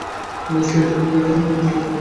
মেসে এই ট্যাটু দেখালে, পেটপুরে খেতে পারি।